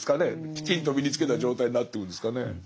きちんと身につけた状態になってくんですかね。